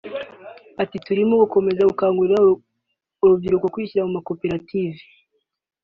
Ati “Turimo gukangurira urubyiruko gukomeza kwishyira hamwe mu makoperative